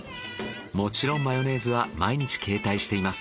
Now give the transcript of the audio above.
もちろんマヨネーズは毎日携帯しています。